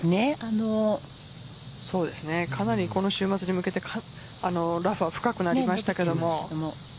かなりこの週末に向けてラフは深くなりましたけど。